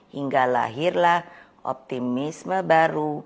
hingga lahirlah optimisme baru